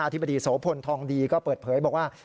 ธิบดีโสพลทองดีก็เปิดเผยบอกว่า